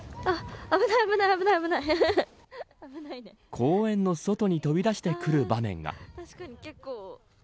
公園の外に飛び出してくる場面が。